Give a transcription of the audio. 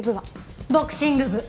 ボクシング部。